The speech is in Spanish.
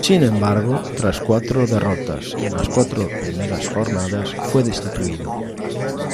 Sin embargo, tras cuatro derrotas en las cuatro primeras jornadas, fue destituido.